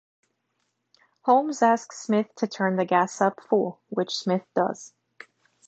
Holmes asks Smith to turn the gas up full, which Smith does.